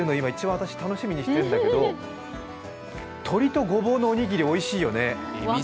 私楽しみにしてるんだけど、鶏とごぼうのおにぎり、おいしいよね。